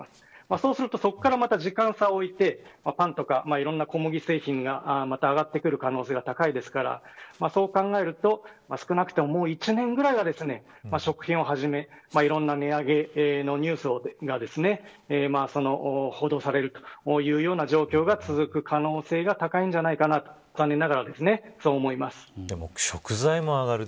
そうするとそこからまた時間差を置いてパンとか小麦製品が上がってくる可能性が高いですからそう考えると少なくとも、もう１年ぐらいは食品をはじめ、いろんな値上げのニュースが報道されるという状況が続く可能性が高いんじゃないかと食材も上がる。